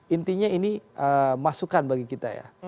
intinya ini masukan bagi kita ya